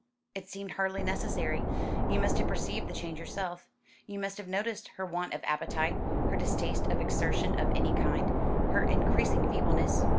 "It seemed hardly necessary. You must have perceived the change yourself. You must have noticed her want of appetite, her distaste for exertion of any kind, her increasing feebleness."